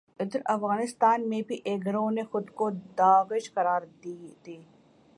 ادھر افغانستان میں بھی ایک گروہ نے خود کو داعش قرار دے